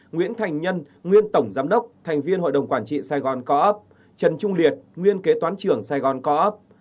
nguyễn thành nhân nguyên tổng giám đốc thành viên hội đồng quản trị saigon co op trần trung liệt nguyên kế toán trưởng saigon co op